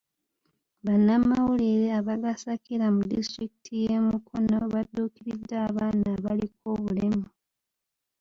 Bannamawulire abagasakira mu disitulikiti y'e Mukono badduukiridde abaana abaliko obulemu.